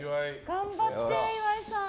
頑張って、岩井さん。